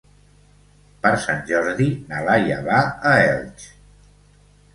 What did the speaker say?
Per Sant Jordi na Laia va a Elx.